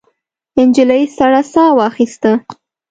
نجلۍ سړه ساه واخیسته.